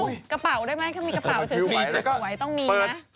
เอ้ากระเป๋าได้มั้ยเขามีกระเป๋าจนถึงสวยต้องมีนะ